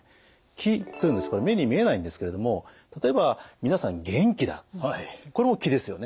気というのはこれ目に見えないんですけれども例えば皆さん元気だこれも気ですよね？